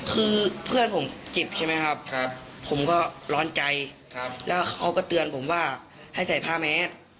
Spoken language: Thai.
คือเพื่อนผมเจ็บใช่ไหมครับผมก็ร้อนใจแล้วเขาก็เตือนผมว่าให้ใส่ผ้าแมส